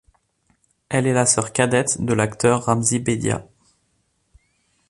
Elle est la sœur cadette de l'acteur Ramzy Bedia.